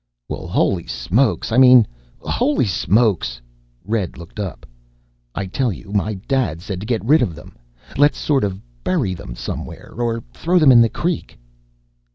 "Well, Holy Smokes. I mean Holy Smokes." Red looked up. "I tell you. My Dad said to get rid of them. Let's sort of bury them somewhere or throw them in the creek."